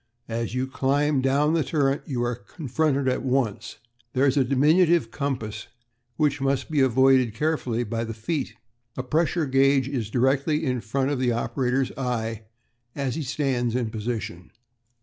As you climb down the turret you are confronted with it at once. There is a diminutive compass which must be avoided carefully by the feet. A pressure gauge is directly in front of the operator's eye as he stands in position.